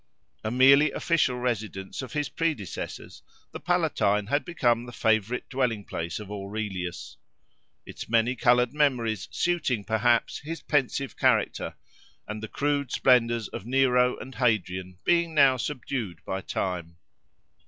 A merely official residence of his predecessors, the Palatine had become the favourite dwelling place of Aurelius; its many coloured memories suiting, perhaps, his pensive character, and the crude splendours of Nero and Hadrian being now subdued by time.